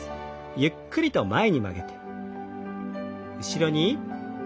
ゆっくりと前に曲げて。